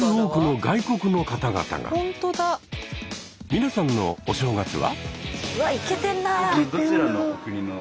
皆さんのお正月は？